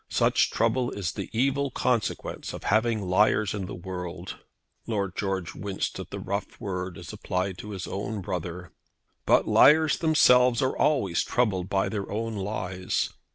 Such trouble is the evil consequence of having liars in the world." Lord George winced at the rough word as applied by inference to his own brother. "But liars themselves are always troubled by their own lies.